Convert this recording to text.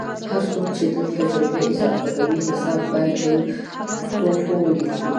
هر څوک چې دلته جملې اضافه کوي حساب باید په حوفو ولیکي